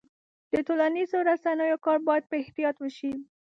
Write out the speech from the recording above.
د ټولنیزو رسنیو کار باید په احتیاط وشي.